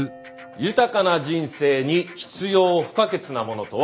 豊かな人生に必要不可欠なものとは？